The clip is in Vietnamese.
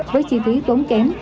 với chi phí tốn kém